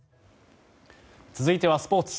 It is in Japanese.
続いてはスポーツ。